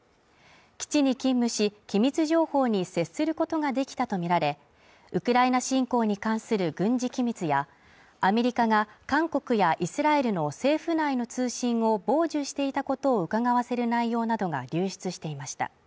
基地に勤務し、機密情報に接することができたとみられ、ウクライナ侵攻に関する軍事機密やアメリカが韓国やイスラエルの政府内の通信を傍受していたことをうかがわせる内容などが流出していました。